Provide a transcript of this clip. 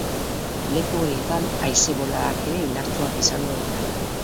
Leku horietan, haize boladak ere indartsuak izango dira.